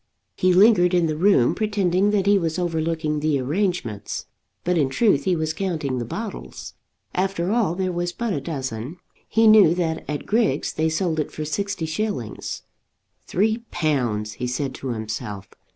He lingered in the room, pretending that he was overlooking the arrangements, but in truth he was counting the bottles. After all there was but a dozen. He knew that at Griggs's they sold it for sixty shillings. "Three pounds!" he said to himself.